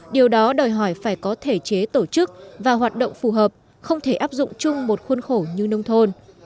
điều đó đòi hỏi phải có thể chế tổ chức và hoạt động phù hợp không thể áp dụng chung một khuôn khổ như nông thôn